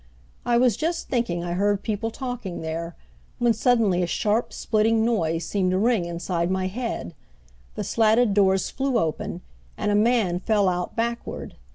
I was just thinking I heard people talking there, when suddenly a sharp splitting noise seemed to ring inside my head, the slatted doors flew open and a man fell out backward.